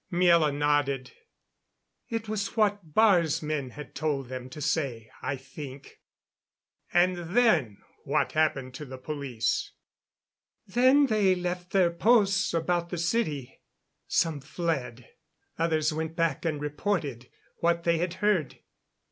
Miela nodded. "It was what Baar's men had told them to say, I think." "And then what happened to the police?" "Then they left their posts about the city. Some fled; others went back and reported what they had heard."